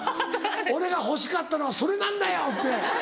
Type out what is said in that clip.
「俺が欲しかったのはそれなんだよ」って。